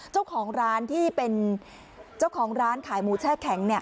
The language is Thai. เจ้าของร้านที่เป็นเจ้าของร้านขายหมูแช่แข็ง